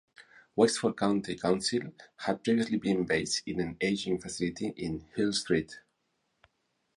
Wexford County Council had previously been based in an aging facility in Hill Street.